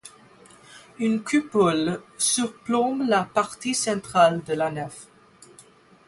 Une coupole surplombe la partie centrale de la nef.